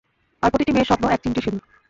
আর প্রতিটি মেয়ের স্বপ্ন, এক চিমটি সিদুর।